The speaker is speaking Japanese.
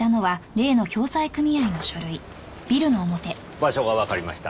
場所がわかりました。